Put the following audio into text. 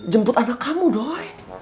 jemput anak kamu doi